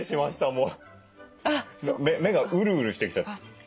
もう目がうるうるしてきちゃった。